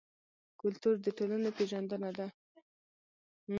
کلتور د ټولنې پېژندنه ده.